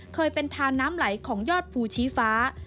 เคยเป็นทานน้ำไหลของยอดภูชีฟ้า